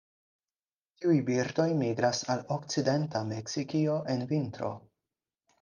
Tiuj birdoj migras al okcidenta Meksikio en vintro.